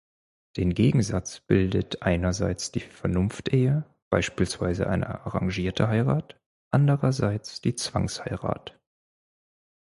Den Gegensatz bildet einerseits die Vernunftehe, beispielsweise eine arrangierte Heirat, andererseits die Zwangsheirat.